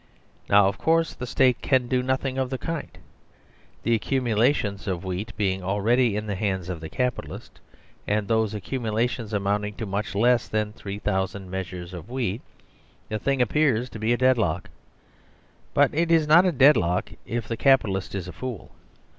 Now, of course, the State can do nothing of the kind. The accumulations of wheat being already in the hands of the Capitalists, and those accumulations amounting to much less than 3000 measures of wheat, the thing appears to be a deadlock. But it is not a deadlock if the Capitalist is a fool.